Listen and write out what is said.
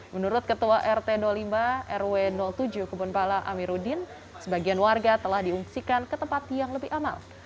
menurut ketua rt dua puluh lima rw tujuh kebon pala amirudin sebagian warga telah diungsikan ke tempat yang lebih amal